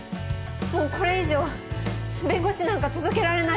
もうこれ以上弁護士なんか続けられない。